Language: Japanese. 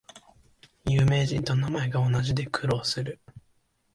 有名人と名前が同じで苦労する